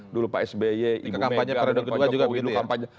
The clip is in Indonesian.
dulu pak sby ibu mega